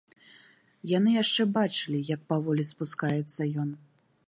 Яны яшчэ бачылі, як паволі спускаецца ён.